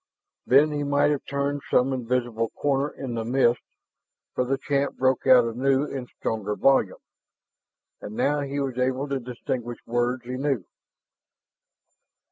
Then he might have turned some invisible corner in the mist, for the chant broke out anew in stronger volume, and now he was able to distinguish words he knew.